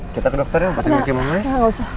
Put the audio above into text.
kita ke dokter ya bantu nyari mama ya